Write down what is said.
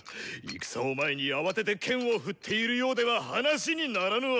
戦を前に慌てて剣を振っているようでは話にならぬわ！